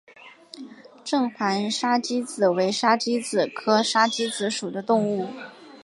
正环沙鸡子为沙鸡子科沙子鸡属的动物。